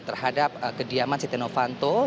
terhadap kediaman siti novanto